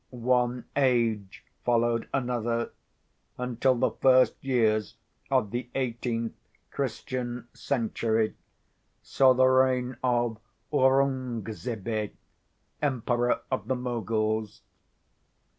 One age followed another until the first years of the eighteenth Christian century saw the reign of Aurungzebe, Emperor of the Moguls.